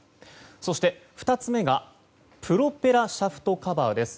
そして、２つ目がプロペラシャフトカバーです。